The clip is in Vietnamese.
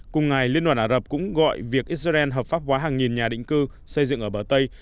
cùng ngày liên đoàn ả rập cũng gọi việc israel hợp pháp hóa hàng nghìn nhà định cư xây dựng ở bờ tây